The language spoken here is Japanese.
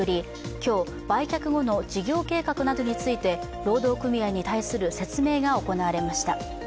今日、売却後の事業計画などについて労働組合に対する説明が行われました。